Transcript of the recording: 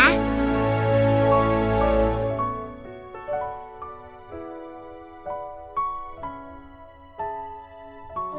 ini dia main aku nina